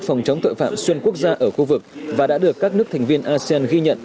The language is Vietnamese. phòng chống tội phạm xuyên quốc gia ở khu vực và đã được các nước thành viên asean ghi nhận